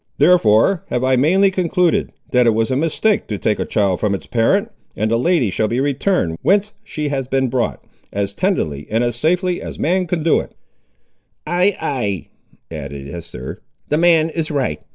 Therefore have I mainly concluded, that it was a mistake to take a child from its parent, and the lady shall be returned whence she has been brought, as tenderly and as safely as man can do it." "Ay, ay," added Esther, "the man is right.